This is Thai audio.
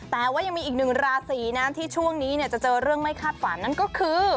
แต่ว่ายังมีอีกหนึ่งราศีนะที่ช่วงนี้จะเจอเรื่องไม่คาดฝันนั่นก็คือ